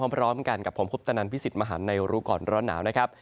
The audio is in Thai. พร้อมกันกับผมคุปตนันพิสิทธิ์มหันในรู้ก่อนร้อนหนาวนะครับ